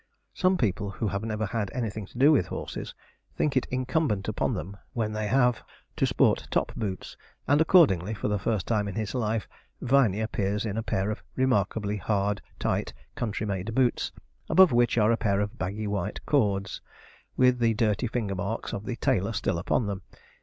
Some people, who have never had anything to do with horses, think it incumbent upon them, when they have, to sport top boots, and accordingly, for the first time in his life, Viney appears in a pair of remarkably hard, tight, country made boots, above which are a pair of baggy white cords, with the dirty finger marks of the tailor still upon them.